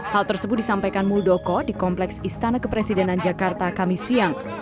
hal tersebut disampaikan muldoko di kompleks istana kepresidenan jakarta kami siang